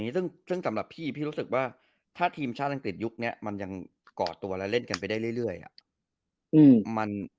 ยึด์สำหรับพี่รู้สึกว่าถ้าธีมที่ต้องเติดยุคยังมีก่อนกันยังเร่งไปเรื่อย